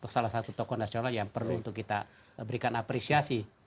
salah satu tokoh nasional yang perlu untuk kita berikan apresiasi